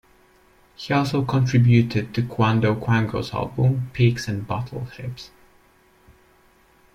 He also contributed to Quando Quango's album, "Pigs and Battleships"..